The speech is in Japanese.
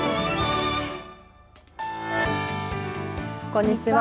こんにちは。